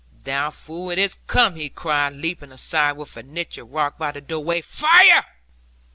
'Thou fool, it is come,' he cried, leaping aside into the niche of rock by the doorway; 'Fire!'